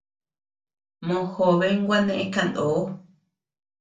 Mojoben gua neʼe kanó.